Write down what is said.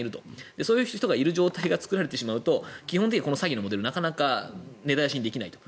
そういう人がいる状態が作られてしまうと基本的にはこの詐欺のモデルを根絶やしにできないと。